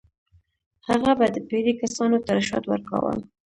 هغه به د پیرې کسانو ته رشوت ورکاوه.